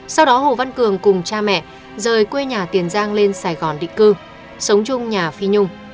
sau đó hồ văn cường cùng cha mẹ rời quê nhà tiền giang lên sài gòn định cư sống chung nhà phi nhung